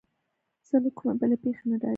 زه له کومې بلې پېښې نه ډارېدم.